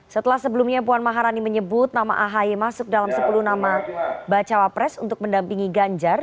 setelah sebelumnya puan maharani menyebut nama ahy masuk dalam sepuluh nama bacawa pres untuk mendampingi ganjar